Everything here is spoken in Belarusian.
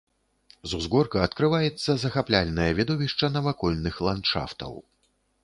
З узгорка адкрываецца захапляльнае відовішча навакольных ландшафтаў.